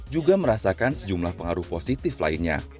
juga merasakan sejumlah pengaruh positif lainnya